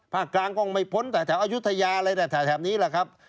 กลางก็ไม่พ้นแต่แถวอายุทยาอะไรแต่แถวนี้แหละครับ